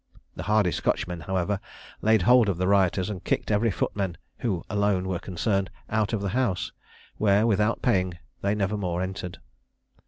The hardy Scotchmen, however, laid hold of the rioters, and kicked every footman, who alone were concerned, out of the house, where, without paying, they never more entered.